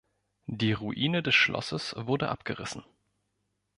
Die Ruine des Schlosses wurde abgerissen.